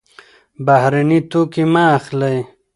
بهرني توکي مه اخلئ.